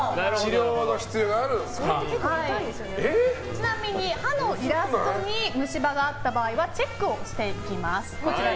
ちなみに歯のイラストに虫歯があった場合はチェックをしていきます。